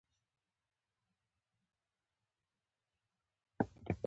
ډېر مهربان او موءدب سړی وو.